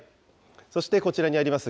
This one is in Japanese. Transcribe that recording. そしてこちらにあります